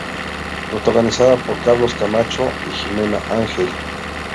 Protagonizada por Carlos Camacho y Jimena Ángel.